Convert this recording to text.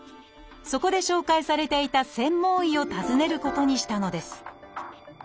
そこで紹介されていた専門医を訪ねることにしたのです。